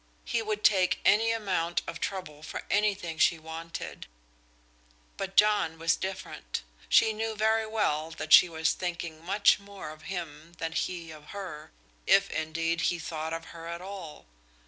He would take any amount of trouble for anything she wanted. But John was different. She knew very well that she was thinking much more of him than he of her, if indeed he thought of her at all.